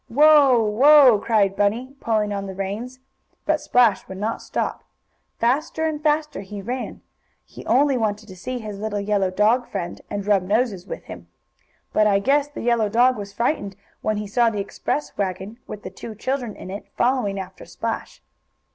"Whoa! Whoa!" cried Bunny, pulling on the reins. But Splash would not stop. Faster and faster he ran. He only wanted to see his little yellow dog friend again, and rub noses with him. But I guess the yellow dog was frightened when he saw the express wagon, with the two children in it, following after Splash.